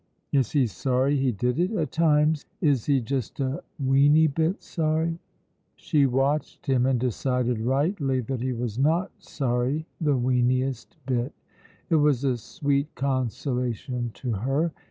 "Is he sorry he did it? At times, is he just a weeny bit sorry?" She watched him, and decided rightly that he was not sorry the weeniest bit. It was a sweet consolation to her.